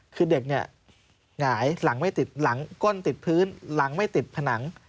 คือเด็กเนี่ยหงายหลังไม่ติดหลังก้นติดพื้นหลังไม่ติดผนัง